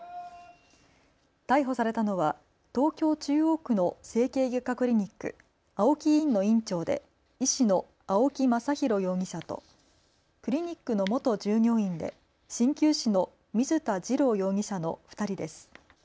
逮捕されたのは東京中央区の整形外科クリニック、青木医院の院長で医師の青木正浩容疑者とクリニックの元従業員でしんきゅう師の水田治良容疑者の２人です。